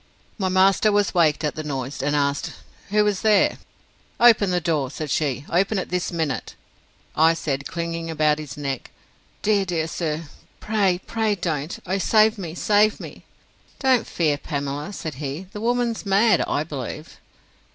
My master was waked at the noise, and asked, Who was there? Open the door, said she; open it this minute! I said, clinging about his neck, Dear, dear sir, pray, pray don't!—O save me, save me! Don't fear, Pamela, said he. The woman's mad, I believe.